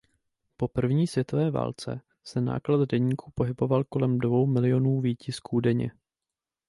Po první světové válce se náklad deníku pohyboval kolem dvou milionů výtisků denně.